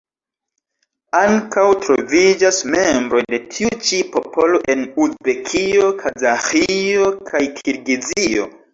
Ankaŭ troviĝas membroj de tiu ĉi popolo en Uzbekio, Kazaĥio kaj Kirgizio.